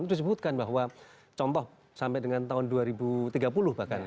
itu disebutkan bahwa contoh sampai dengan tahun dua ribu tiga puluh bahkan